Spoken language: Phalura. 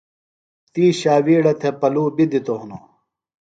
تی ݜاوِیڑہ تھےۡ پلُوۡ بیۡ دِتوۡ ہِنوۡ۔